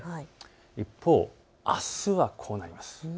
一方、あすはこうなります。